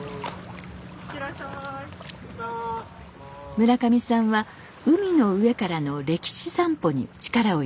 村上さんは海の上からの歴史散歩に力を入れています。